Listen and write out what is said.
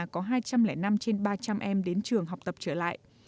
có hai trăm linh năm trên ba trăm linh em đến trường học tập trở lại